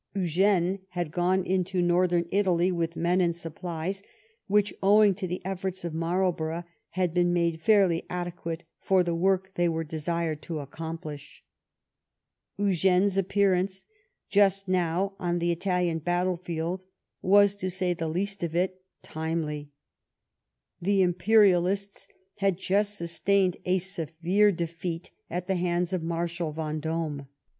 Eugene had gone into northern Italy with men and supplies, which, owing to the efforts of Marlborough, had been made fairly adequate for the work they were desired to accomplish. Eugene's appearance just now on the Italian battle field was, to say the least of it, timely. The imperialists had just sustained a severe defeat at the hands of Marshal Vendome.